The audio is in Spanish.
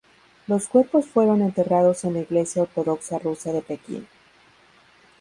Los cuerpos fueron enterrados en la iglesia ortodoxa rusa de Pekin.